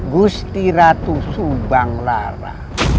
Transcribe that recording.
gusti ratu subang lara